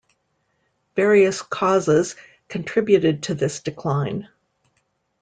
Various causes contributed to this decline.